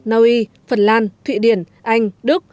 naui phần lan thụy điển anh đức